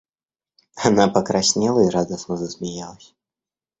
Она покраснела и радостно засмеялась.